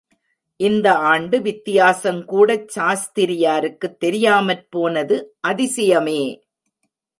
இந்த ஆண்டு வித்தியாசங் கூடச் சாஸ்தியாருக்குத் தெரியாமற் போனது அதிசயமே!